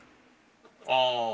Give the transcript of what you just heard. ああ。